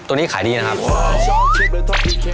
นี้ขายดีนะครับ